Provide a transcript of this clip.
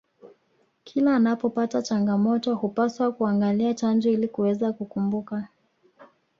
kila anapopata changamoto hupaswa kuangalia chanjo ili kuweza kukumbuka